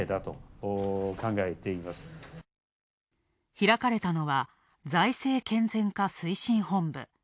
開かれたのは、財政健全化推進本部。